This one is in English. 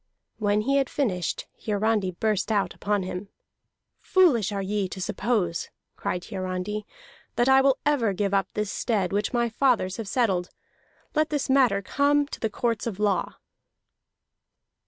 When he had finished, Hiarandi burst out upon him. "Foolish are ye to suppose," cried Hiarandi, "that I will ever give up this stead which my fathers have settled. Let this matter come to the courts of law."